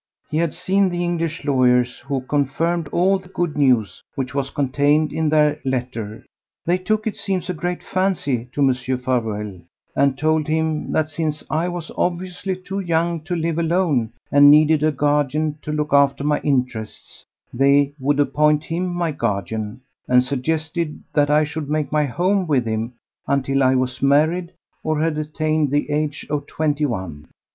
He had seen the English lawyers, who confirmed all the good news which was contained in their letter. They took, it seems, a great fancy to Mr. Farewell, and told him that since I was obviously too young to live alone and needed a guardian to look after my interests, they would appoint him my guardian, and suggested that I should make my home with him until I was married or had attained the age of twenty one.